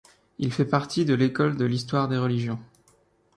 Il fait partie de l'École de l'Histoire des Religions.